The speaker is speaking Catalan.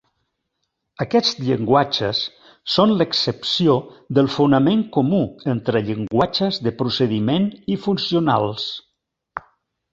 Aquests llenguatges són l'excepció del fonament comú entre llenguatges de procediment i funcionals.